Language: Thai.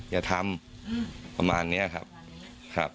อย่าทำอืมประมาณเนี้ยครับประมาณเนี้ยครับครับ